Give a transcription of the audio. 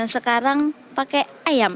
sekarang pakai ayam